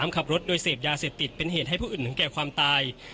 ขับรถโดยเสพยาเสพติดเป็นเหตุให้ผู้อื่นถึงแก่ความตาย